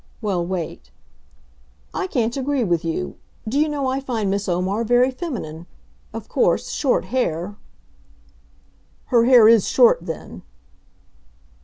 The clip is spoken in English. Well, wait. "I can't agree with you. Do you know, I find Miss Omar very feminine. Of course, short hair " "Her hair is short, then!"